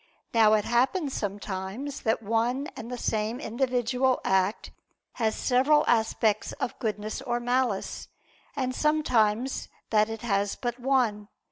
Now it happens sometimes that one and the same individual act has several aspects of goodness or malice, and sometimes that it has but one.